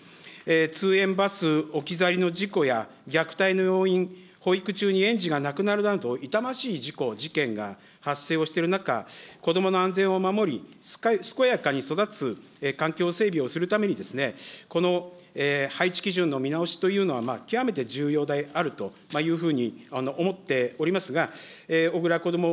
通園バス置き去りの事故や、虐待の要因、保育中に園児が亡くなるなど、痛ましい事故、事件が発生をしている中、子どもの安全を守り、健やかに育つ環境整備をするためにですね、この配置基準の見直しというのは、極めて重要であるというふうに思っておりますが、小倉こども